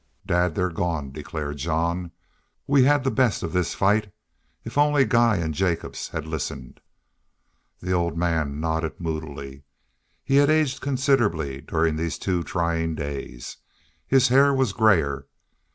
"Dad, they've gone," declared Jean. "We had the best of this fight.... If only Guy an' Jacobs had listened!" The old man nodded moodily. He had aged considerably during these two trying days. His hair was grayer.